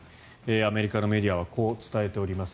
アメリカのメディアはこう伝えています。